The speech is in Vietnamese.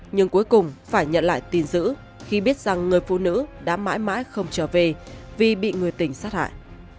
nhưng cuối cùng phải nhận lại tin giữ khi biết rằng người phụ nữ đã mãi mãi không trở về vì bị người tình sát hại